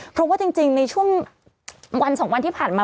เพราะว่าจริงในช่วงวัน๒วันที่ผ่านมา